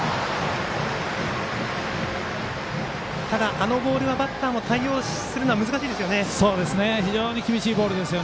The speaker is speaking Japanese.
あのボールはバッターも対応するのは非常に厳しいボールです。